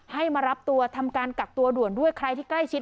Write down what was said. ให้มารับตัวทำการกักตัวด่วนด้วยใครที่ใกล้ชิด